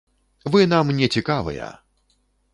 Вы нам не цікавыя!